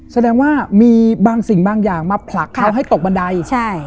แสดงว่ามีบางสิ่งบางอย่างมาผลักเขาให้ตกบันไดใช่